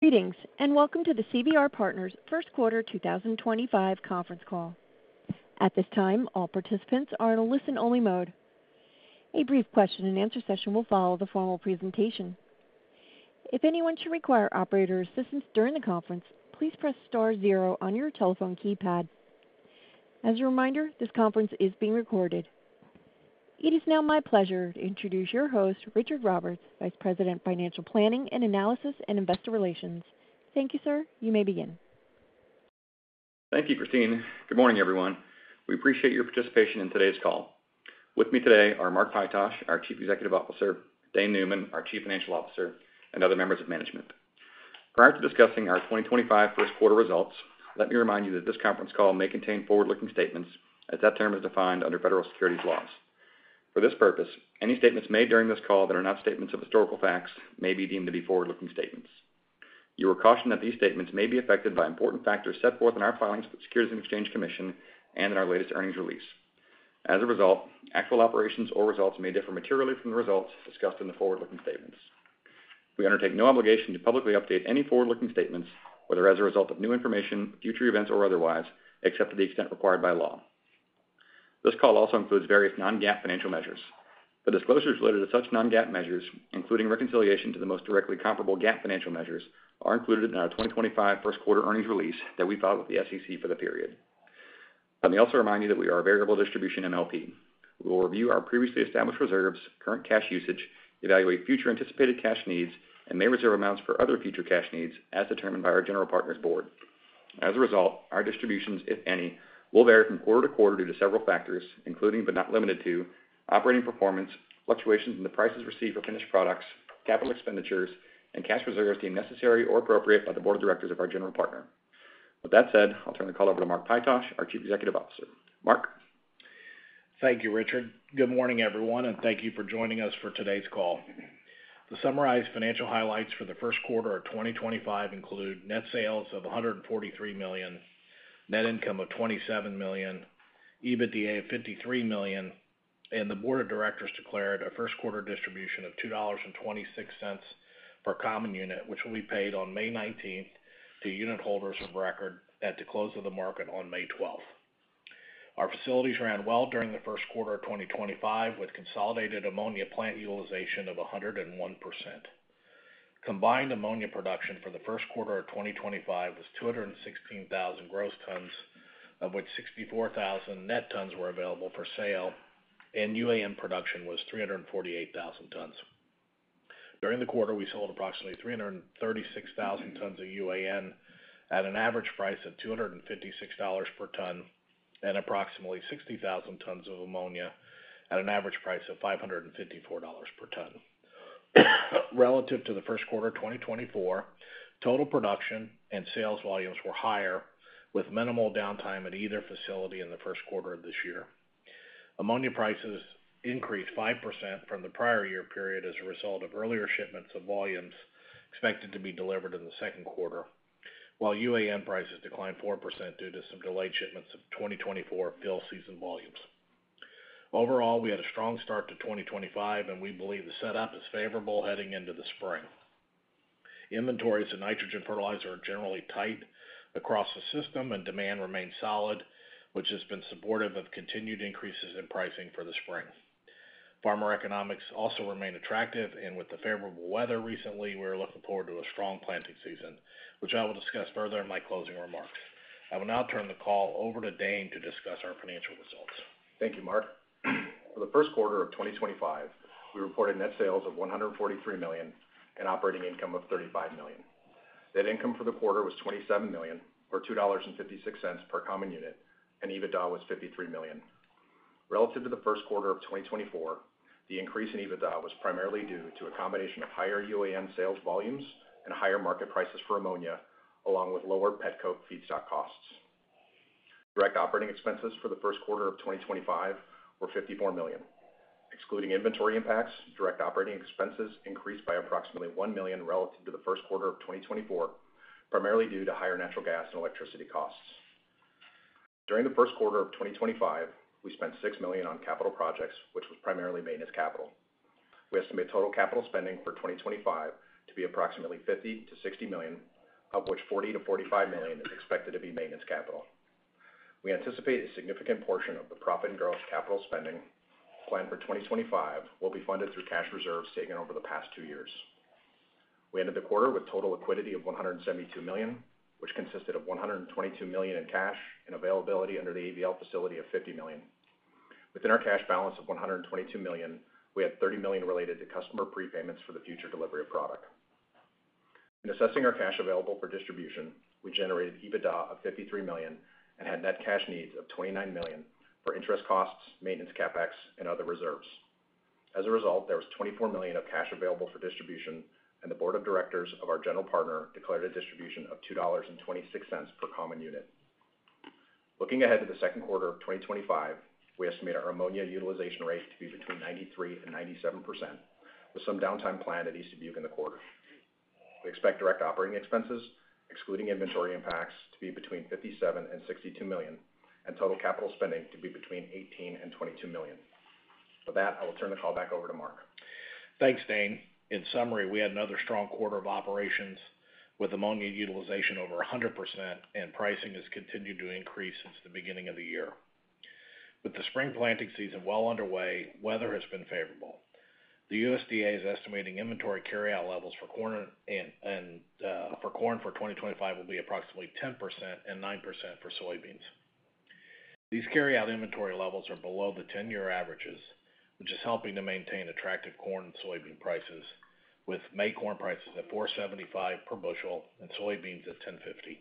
Greetings and welcome to the CVR Partners First Quarter 2025 conference call. At this time, all participants are in a listen-only mode. A brief question-and-answer session will follow the formal presentation. If anyone should require operator assistance during the conference, please press star zero on your telephone keypad. As a reminder, this conference is being recorded. It is now my pleasure to introduce your host, Richard Roberts, Vice President, Financial Planning and Analysis and Investor Relations. Thank you, sir. You may begin. Thank you, Christine. Good morning, everyone. We appreciate your participation in today's call. With me today are Mark Pytosh, our Chief Executive Officer; Dane Neumann, our Chief Financial Officer; and other members of management. Prior to discussing our 2025 First Quarter results, let me remind you that this conference call may contain forward-looking statements as that term is defined under federal securities laws. For this purpose, any statements made during this call that are not statements of historical facts may be deemed to be forward-looking statements. You are cautioned that these statements may be affected by important factors set forth in our filings for the U.S. Securities and Exchange Commission and in our latest earnings release. As a result, actual operations or results may differ materially from the results discussed in the forward-looking statements. We undertake no obligation to publicly update any forward-looking statements, whether as a result of new information, future events, or otherwise, except to the extent required by law. This call also includes various non-GAAP financial measures. The disclosures related to such non-GAAP measures, including reconciliation to the most directly comparable GAAP financial measures, are included in our 2025 first quarter earnings release that we filed with the SEC for the period. Let me also remind you that we are a variable distribution MLP. We will review our previously established reserves, current cash usage, evaluate future anticipated cash needs, and may reserve amounts for other future cash needs as determined by our General Partners Board. As a result, our distributions, if any, will vary from quarter to quarter due to several factors, including but not limited to operating performance, fluctuations in the prices received for finished products, capital expenditures, and cash reserves deemed necessary or appropriate by the Board of Directors of our General Partner. With that said, I'll turn the call over to Mark Pytosh, our Chief Executive Officer. Mark. Thank you, Richard. Good morning, everyone, and thank you for joining us for today's call. The summarized financial highlights for the first quarter of 2025 include net sales of $143 million, net income of $27 million, EBITDA of $53 million, and the Board of Directors declared a first-quarter distribution of $2.26 for a common unit, which will be paid on May 19th to unit holders of record at the close of the market on May 12th. Our facilities ran well during the first quarter of 2025, with consolidated ammonia plant utilization of 101%. Combined ammonia production for the first quarter of 2025 was 216,000 gross tons, of which 64,000 net tons were available for sale, and UAN production was 348,000 tons. During the quarter, we sold approximately 336,000 tons of UAN at an average price of $256 per ton and approximately 60,000 tons of ammonia at an average price of $554 per ton. Relative to the first quarter of 2024, total production and sales volumes were higher, with minimal downtime at either facility in the first quarter of this year. Ammonia prices increased 5% from the prior year period as a result of earlier shipments of volumes expected to be delivered in the second quarter, while UAN prices declined 4% due to some delayed shipments of 2024 fill season volumes. Overall, we had a strong start to 2025, and we believe the setup is favorable heading into the spring. Inventories of nitrogen fertilizer are generally tight across the system, and demand remains solid, which has been supportive of continued increases in pricing for the spring. Farmer economics also remain attractive, and with the favorable weather recently, we are looking forward to a strong planting season, which I will discuss further in my closing remarks. I will now turn the call over to Dane to discuss our financial results. Thank you, Mark. For the first quarter of 2025, we reported net sales of $143 million and operating income of $35 million. Net income for the quarter was $27 million, or $2.56 per common unit, and EBITDA was $53 million. Relative to the first quarter of 2024, the increase in EBITDA was primarily due to a combination of higher UAN sales volumes and higher market prices for ammonia, along with lowered pet coke feedstock costs. Direct operating expenses for the first quarter of 2025 were $54 million. Excluding inventory impacts, direct operating expenses increased by approximately $1 million relative to the first quarter of 2024, primarily due to higher natural gas and electricity costs. During the first quarter of 2025, we spent $6 million on capital projects, which was primarily maintenance capital. We estimate total capital spending for 2025 to be approximately $50 million-$60 million, of which $40 million-$45 million is expected to be maintenance capital. We anticipate a significant portion of the profit and gross capital spending planned for 2025 will be funded through cash reserves taken over the past two years. We ended the quarter with total liquidity of $172 million, which consisted of $122 million in cash and availability under the ABL facility of $50 million. Within our cash balance of $122 million, we had $30 million related to customer prepayments for the future delivery of product. In assessing our cash available for distribution, we generated EBITDA of $53 million and had net cash needs of $29 million for interest costs, maintenance CapEx, and other reserves. As a result, there was $24 million of cash available for distribution, and the Board of Directors of our General Partner declared a distribution of $2.26 per common unit. Looking ahead to the second quarter of 2025, we estimate our ammonia utilization rate to be between 93%-97%, with some downtime planned at East Dubuque in the quarter. We expect direct operating expenses, excluding inventory impacts, to be between $57 million-$62 million, and total capital spending to be between $18 million-$22 million. With that, I will turn the call back over to Mark. Thanks, Dane. In summary, we had another strong quarter of operations with ammonia utilization over 100%, and pricing has continued to increase since the beginning of the year. With the spring planting season well underway, weather has been favorable. The USDA is estimating inventory carryout levels for corn for 2025 will be approximately 10% and 9% for soybeans. These carryout inventory levels are below the 10-year averages, which is helping to maintain attractive corn and soybean prices, with May corn prices at $4.75 per bushel and soybeans at $10.50.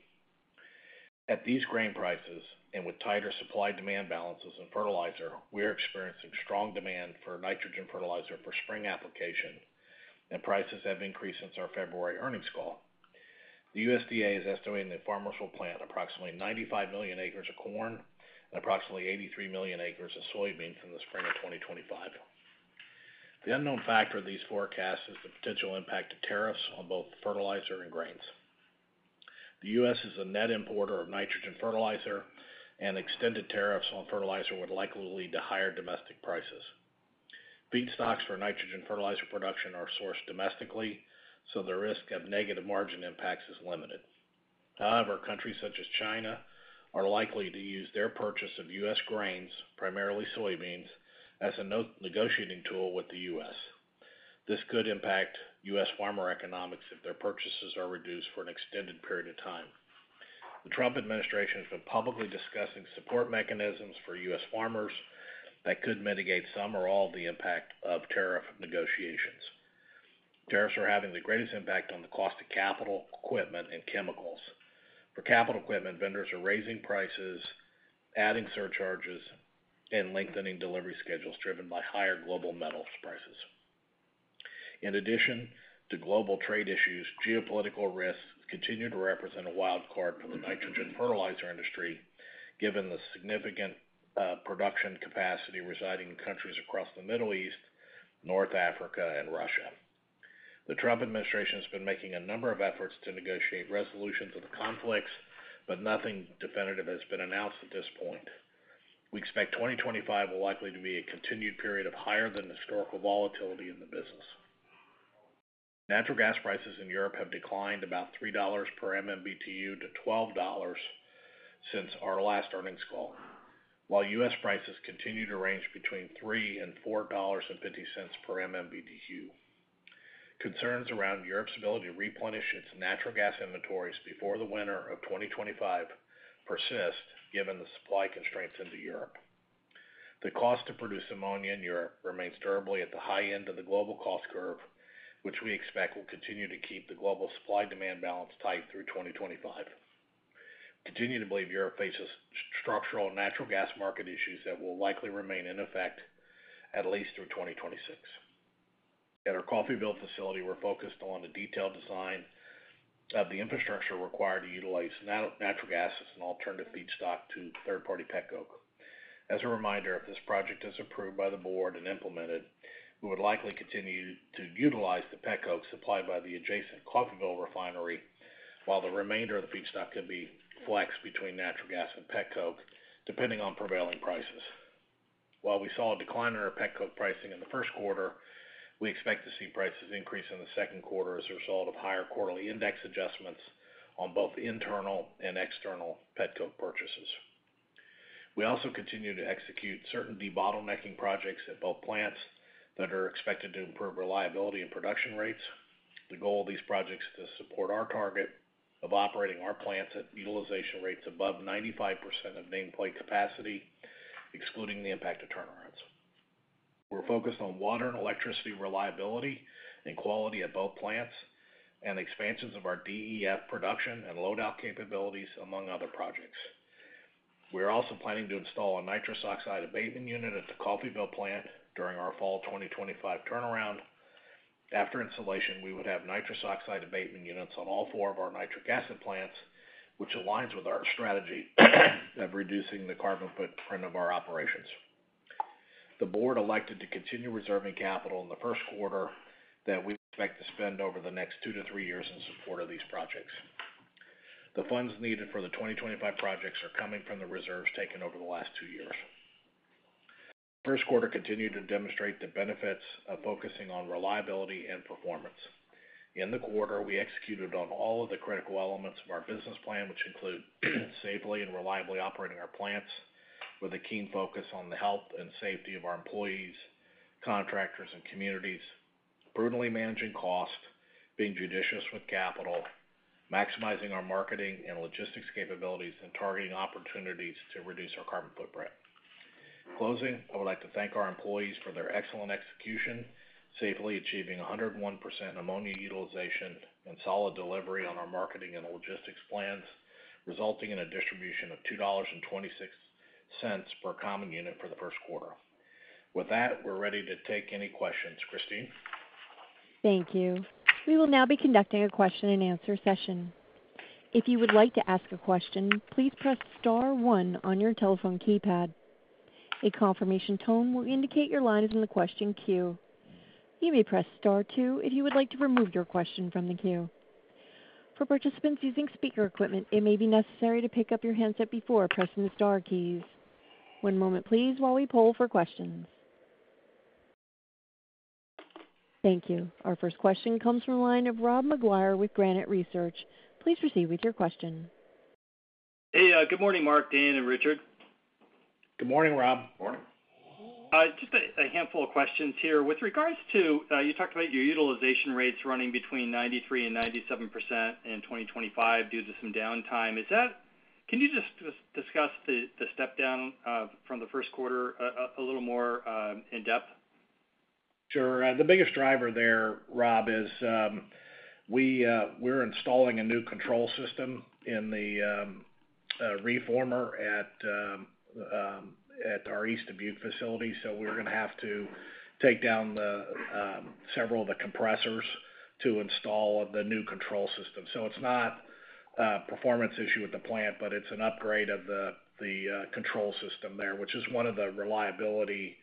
At these grain prices and with tighter supply-demand balances in fertilizer, we are experiencing strong demand for nitrogen fertilizer for spring application, and prices have increased since our February earnings call. The USDA is estimating that farmers will plant approximately 95 million acres of corn and approximately 83 million acres of soybeans in the spring of 2025. The unknown factor of these forecasts is the potential impact of tariffs on both fertilizer and grains. The U.S. is a net importer of nitrogen fertilizer, and extended tariffs on fertilizer would likely lead to higher domestic prices. Feedstocks for nitrogen fertilizer production are sourced domestically, so the risk of negative margin impacts is limited. However, countries such as China are likely to use their purchase of U.S. grains, primarily soybeans, as a negotiating tool with the U.S. This could impact U.S. farmer economics if their purchases are reduced for an extended period of time. The Trump administration has been publicly discussing support mechanisms for U.S. farmers that could mitigate some or all of the impact of tariff negotiations. Tariffs are having the greatest impact on the cost of capital, equipment, and chemicals. For capital equipment, vendors are raising prices, adding surcharges, and lengthening delivery schedules driven by higher global metals prices. In addition to global trade issues, geopolitical risks continue to represent a wild card for the nitrogen fertilizer industry, given the significant production capacity residing in countries across the Middle East, North Africa, and Russia. The Trump administration has been making a number of efforts to negotiate resolutions of the conflicts, but nothing definitive has been announced at this point. We expect 2025 will likely be a continued period of higher-than-historical volatility in the business. Natural gas prices in Europe have declined about $3 per MMBtu to $12 since our last earnings call, while U.S. prices continue to range between $3-$4.50 per MMBtu. Concerns around Europe's ability to replenish its natural gas inventories before the winter of 2025 persist, given the supply constraints into Europe. The cost to produce ammonia in Europe remains durably at the high end of the global cost curve, which we expect will continue to keep the global supply-demand balance tight through 2025. We continue to believe Europe faces structural natural gas market issues that will likely remain in effect at least through 2026. At our Coffeyville facility, we're focused on the detailed design of the infrastructure required to utilize natural gas as an alternative feedstock to third-party pet coke. As a reminder, if this project is approved by the board and implemented, we would likely continue to utilize the pet coke supplied by the adjacent Coffeyville refinery, while the remainder of the feedstock could be flexed between natural gas and pet coke, depending on prevailing prices. While we saw a decline in our pet coke pricing in the first quarter, we expect to see prices increase in the second quarter as a result of higher quarterly index adjustments on both internal and external pet coke purchases. We also continue to execute certain debottlenecking projects at both plants that are expected to improve reliability and production rates. The goal of these projects is to support our target of operating our plants at utilization rates above 95% of nameplate capacity, excluding the impact of turnarounds. We're focused on water and electricity reliability and quality at both plants and expansions of our DEF production and load-out capabilities, among other projects. We are also planning to install a nitrous oxide abatement unit at the Coffeyville plant during our fall 2025 turnaround. After installation, we would have nitrous oxide abatement units on all four of our nitric acid plants, which aligns with our strategy of reducing the carbon footprint of our operations. The board elected to continue reserving capital in the first quarter that we expect to spend over the next two to three years in support of these projects. The funds needed for the 2025 projects are coming from the reserves taken over the last two years. The first quarter continued to demonstrate the benefits of focusing on reliability and performance. In the quarter, we executed on all of the critical elements of our business plan, which include safely and reliably operating our plants with a keen focus on the health and safety of our employees, contractors, and communities, prudently managing costs, being judicious with capital, maximizing our marketing and logistics capabilities, and targeting opportunities to reduce our carbon footprint. Closing, I would like to thank our employees for their excellent execution, safely achieving 101% ammonia utilization and solid delivery on our marketing and logistics plans, resulting in a distribution of $2.26 per common unit for the first quarter. With that, we're ready to take any questions. Christine. Thank you. We will now be conducting a question-and-answer session. If you would like to ask a question, please press star one on your telephone keypad. A confirmation tone will indicate your line is in the question queue. You may press star two if you would like to remove your question from the queue. For participants using speaker equipment, it may be necessary to pick up your handset before pressing the star keys. One moment, please, while we poll for questions. Thank you. Our first question comes from the line of Rob McGuire with Granite Research. Please proceed with your question. Hey, good morning, Mark, Dane, and Richard. Good morning, Rob. Morning. Just a handful of questions here. With regards to you talked about your utilization rates running between 93%-97% in 2025 due to some downtime. Can you just discuss the step-down from the first quarter a little more in depth? Sure. The biggest driver there, Rob, is we're installing a new control system in the reformer at our East Dubuque facility. We're going to have to take down several of the compressors to install the new control system. It's not a performance issue with the plant, but it's an upgrade of the control system there, which is one of the reliability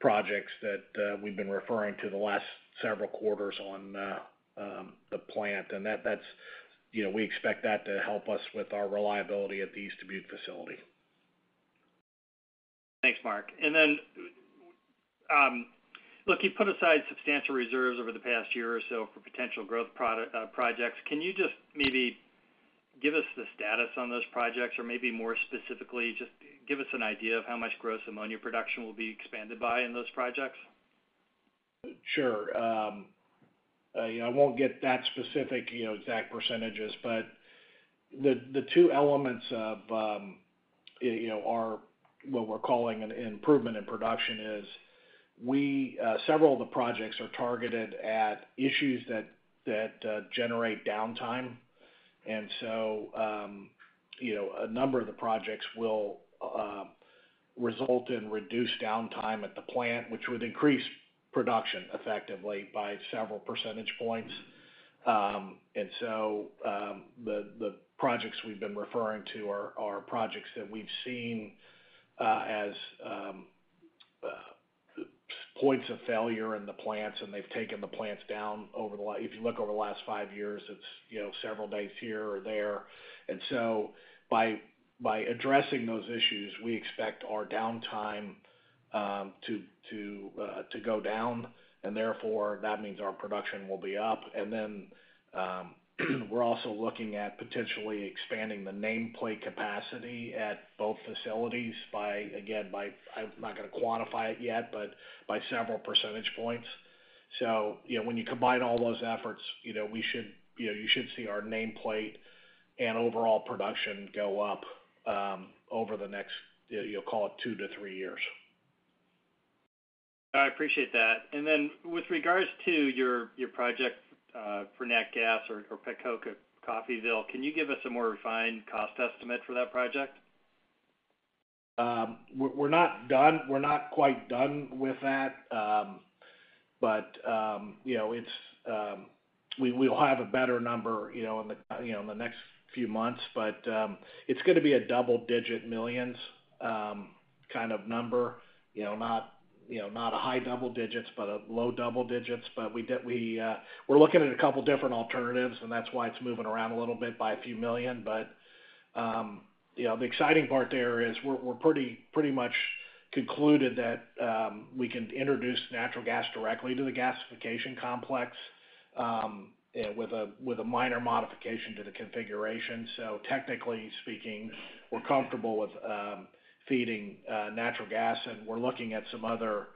projects that we've been referring to the last several quarters on the plant. We expect that to help us with our reliability at the East Dubuque facility. Thanks, Mark. Look, you've put aside substantial reserves over the past year or so for potential growth projects. Can you just maybe give us the status on those projects, or maybe more specifically, just give us an idea of how much gross ammonia production will be expanded by in those projects? Sure. I won't get that specific exact percentages, but the two elements of what we're calling an improvement in production is several of the projects are targeted at issues that generate downtime. A number of the projects will result in reduced downtime at the plant, which would increase production effectively by several percentage points. The projects we've been referring to are projects that we've seen as points of failure in the plants, and they've taken the plants down over the last, if you look over the last five years, it's several days here or there. By addressing those issues, we expect our downtime to go down, and therefore that means our production will be up. We're also looking at potentially expanding the nameplate capacity at both facilities by, again, I'm not going to quantify it yet, but by several percentage points. When you combine all those efforts, you should see our nameplate and overall production go up over the next, you'll call it, two to three years. I appreciate that. With regards to your project for natural gas or pet coke at Coffeyville, can you give us a more refined cost estimate for that project? We're not quite done with that, but we will have a better number in the next few months. It's going to be a double-digit millions kind of number, not a high double digits, but a low double digits. We're looking at a couple of different alternatives, and that's why it's moving around a little bit by a few million. The exciting part there is we're pretty much concluded that we can introduce natural gas directly to the gasification complex with a minor modification to the configuration. Technically speaking, we're comfortable with feeding natural gas, and we're looking at some other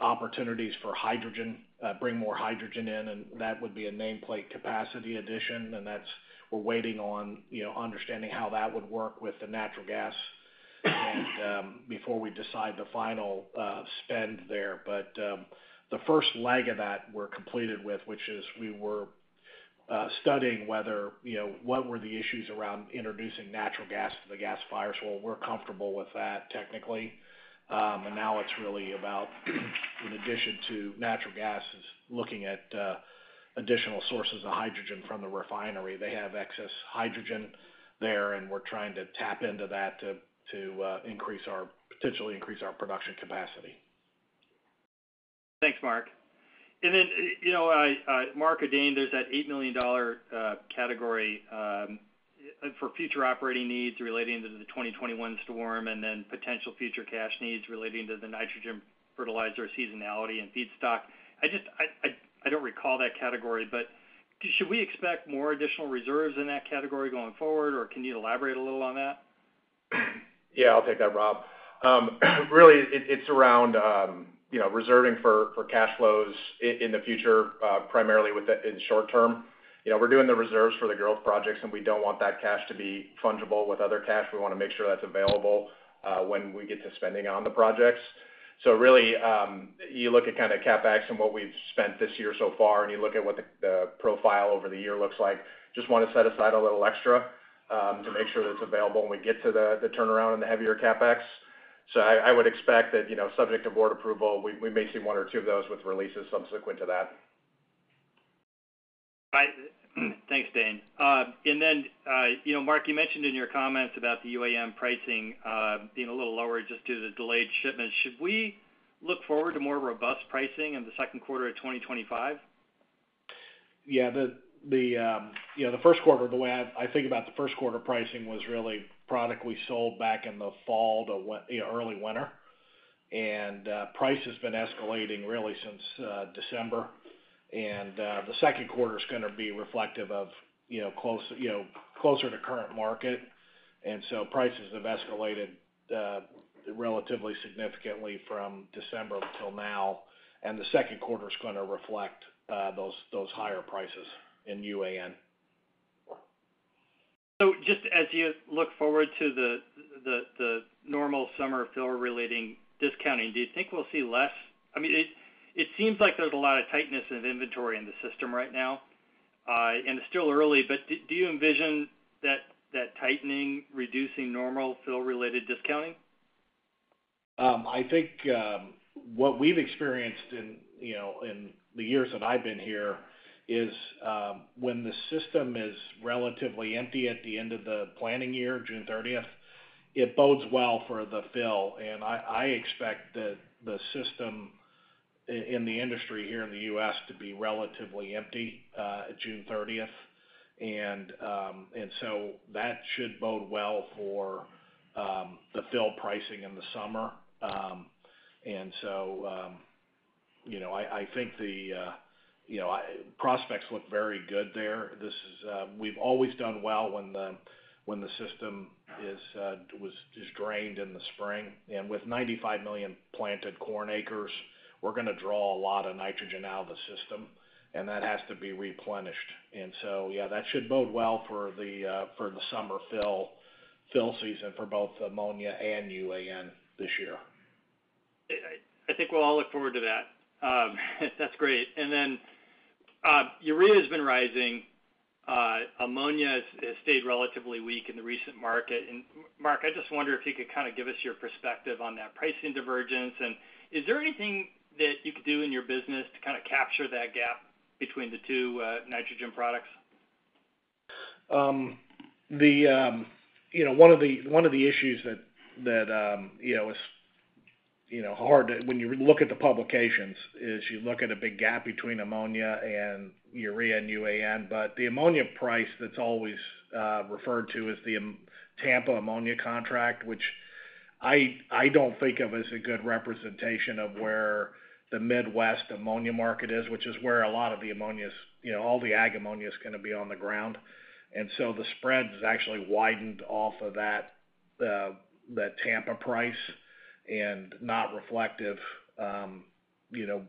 opportunities for hydrogen, bring more hydrogen in, and that would be a nameplate capacity addition. We're waiting on understanding how that would work with the natural gas before we decide the final spend there. The first leg of that we're completed with, which is we were studying what were the issues around introducing natural gas to the gas fires. We're comfortable with that technically. Now it's really about, in addition to natural gas, looking at additional sources of hydrogen from the refinery. They have excess hydrogen there, and we're trying to tap into that to potentially increase our production capacity. Thanks, Mark. Mark or Dane, there's that $8 million category for future operating needs relating to the 2021 storm and then potential future cash needs relating to the nitrogen fertilizer seasonality and feedstock. I don't recall that category, but should we expect more additional reserves in that category going forward, or can you elaborate a little on that? Yeah, I'll take that, Rob. Really, it's around reserving for cash flows in the future, primarily in the short term. We're doing the reserves for the growth projects, and we don't want that cash to be fungible with other cash. We want to make sure that's available when we get to spending on the projects. You look at kind of CapEx and what we've spent this year so far, and you look at what the profile over the year looks like. Just want to set aside a little extra to make sure that it's available when we get to the turnaround and the heavier CapEx. I would expect that, subject to board approval, we may see one or two of those with releases subsequent to that. Thanks, Dane. Mark, you mentioned in your comments about the UAN pricing being a little lower just due to the delayed shipment. Should we look forward to more robust pricing in the second quarter of 2025? Yeah. The first quarter, the way I think about the first quarter pricing was really product we sold back in the fall to early winter. Price has been escalating really since December. The second quarter is going to be reflective of closer to current market. Prices have escalated relatively significantly from December until now. The second quarter is going to reflect those higher prices in UAN. Just as you look forward to the normal summer fill-relating discounting, do you think we'll see less? I mean, it seems like there's a lot of tightness of inventory in the system right now. And it's still early, but do you envision that tightening, reducing normal fill-related discounting? I think what we've experienced in the years that I've been here is when the system is relatively empty at the end of the planning year, June 30, it bodes well for the fill. I expect the system in the industry here in the U.S. to be relatively empty at June 30. That should bode well for the fill pricing in the summer. I think the prospects look very good there. We've always done well when the system was just drained in the spring. With 95 million planted corn acres, we're going to draw a lot of nitrogen out of the system, and that has to be replenished. That should bode well for the summer fill season for both ammonia and UAN this year. I think we'll all look forward to that. That's great. Urea has been rising. Ammonia has stayed relatively weak in the recent market. Mark, I just wonder if you could kind of give us your perspective on that pricing divergence. Is there anything that you could do in your business to kind of capture that gap between the two nitrogen products? One of the issues that is hard when you look at the publications is you look at a big gap between ammonia and urea and UAN. The ammonia price that's always referred to is the Tampa ammonia contract, which I don't think of as a good representation of where the Midwest ammonia market is, which is where a lot of the ammonia is, all the ag ammonia is going to be on the ground. The spread is actually widened off of that Tampa price and not reflective of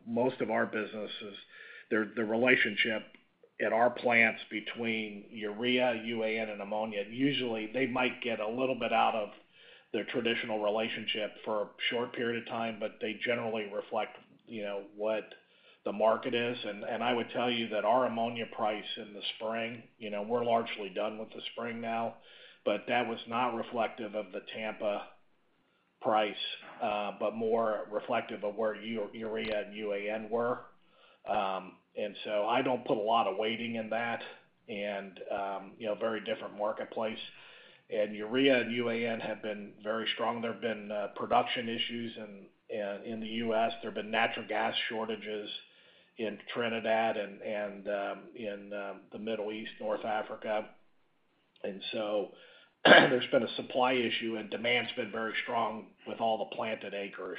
most of our businesses. The relationship at our plants between urea, UAN, and ammonia, usually they might get a little bit out of their traditional relationship for a short period of time, but they generally reflect what the market is. I would tell you that our ammonia price in the spring, we're largely done with the spring now, but that was not reflective of the Tampa price, but more reflective of where urea and UAN were. I don't put a lot of weighting in that. Very different marketplace. Urea and UAN have been very strong. There have been production issues in the U.S. There have been natural gas shortages in Trinidad and in the Middle East, North Africa. There has been a supply issue, and demand's been very strong with all the planted acres.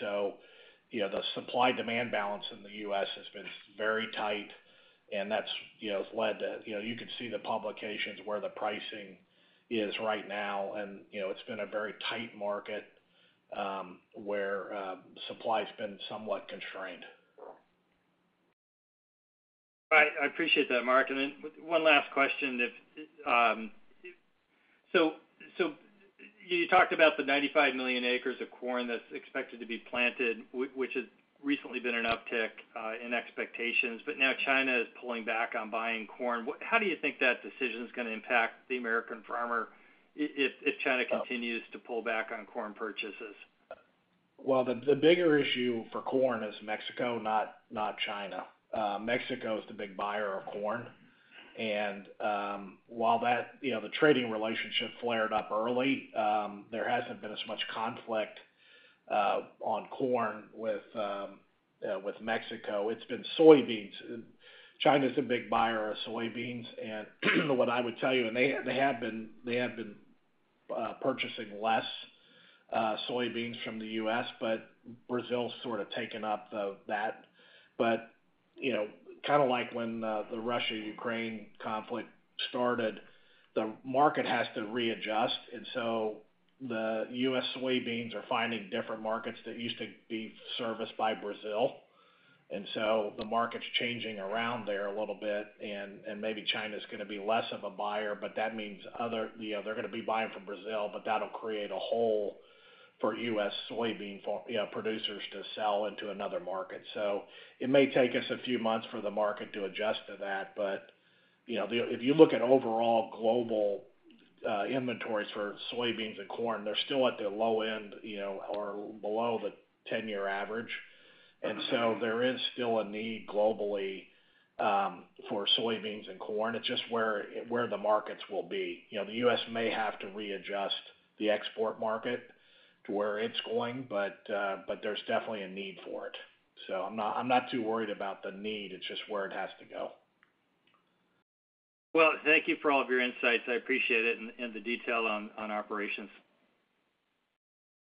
The supply-demand balance in the U.S. has been very tight, and that's led to you could see the publications where the pricing is right now. It's been a very tight market where supply's been somewhat constrained. I appreciate that, Mark. One last question. You talked about the 95 million acres of corn that's expected to be planted, which has recently been an uptick in expectations, but now China is pulling back on buying corn. How do you think that decision is going to impact the American farmer if China continues to pull back on corn purchases? The bigger issue for corn is Mexico, not China. Mexico is the big buyer of corn. While the trading relationship flared up early, there has not been as much conflict on corn with Mexico. It has been soybeans. China is a big buyer of soybeans. What I would tell you, and they have been purchasing less soybeans from the U.S., but Brazil has sort of taken up that. Kind of like when the Russia-Ukraine conflict started, the market has to readjust. The U.S. soybeans are finding different markets that used to be serviced by Brazil. The market is changing around there a little bit. Maybe China is going to be less of a buyer, but that means they are going to be buying from Brazil, but that will create a hole for U.S. soybean producers to sell into another market. It may take us a few months for the market to adjust to that. If you look at overall global inventories for soybeans and corn, they're still at the low end or below the 10-year average. There is still a need globally for soybeans and corn. It's just where the markets will be. The US may have to readjust the export market to where it's going, but there's definitely a need for it. I'm not too worried about the need. It's just where it has to go. Thank you for all of your insights. I appreciate it and the detail on operations.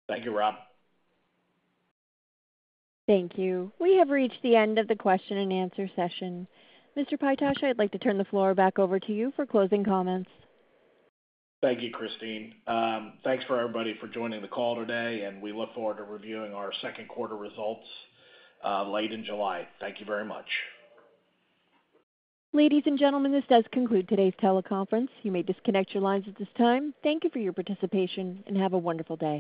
Thank you, Rob. Thank you. We have reached the end of the question and answer session. Mr. Pytosh, I'd like to turn the floor back over to you for closing comments. Thank you, Christine. Thanks for everybody for joining the call today, and we look forward to reviewing our second quarter results late in July. Thank you very much. Ladies and gentlemen, this does conclude today's teleconference. You may disconnect your lines at this time. Thank you for your participation, and have a wonderful day.